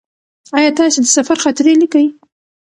ایا تاسې د سفر خاطرې لیکئ؟